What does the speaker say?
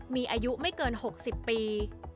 มีอายุไม่เกิน๖๐ปี